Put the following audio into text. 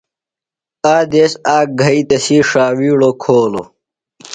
آ دیس آک گھئی تسی ݜاویڑوۡ کھولوۡ۔